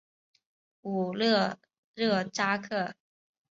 武勒热扎克。